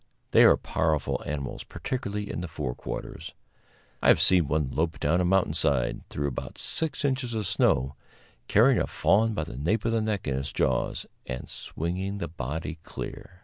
They are powerful animals, particularly in the fore quarters. I have seen one lope down a mountain side, through about six inches of snow, carrying a fawn by the nape of the neck in its jaws, and swinging the body clear.